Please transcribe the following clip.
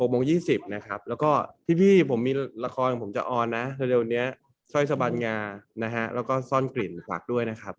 ๖โมง๒๐นะครับแล้วก็พี่ผมมีละครผมจะออนนะแต่วันเดียวหนี้ซ่อยสะบัดงาแล้วก็ซ่อนกลิ่นฝากด้วยนะครับ